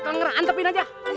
kalau ngerang antepin aja